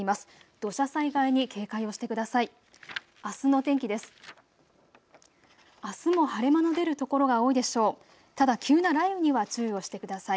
土砂災害に警戒をしてください。